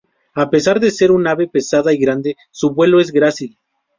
A pesar de ser un ave pesada y grande, su vuelo es grácil.